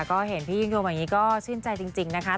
ก็เห็นพี่ยิ่งยงอย่างนี้ก็ชื่นใจจริงนะคะ